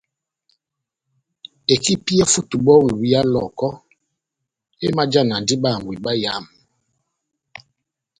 Ekipi yá futubɔlu ya Lɔhɔkɔ emajanadi bahangwi bayamu.